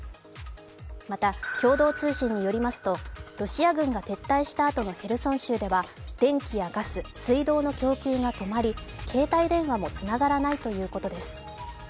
また共同通信に寄りますとロシア軍が撤退したあとのヘルソン州では電気やガス、水道の供給が止まり、携帯電話もつながらないということです。